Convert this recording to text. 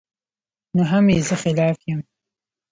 نو هم ئې زۀ خلاف يم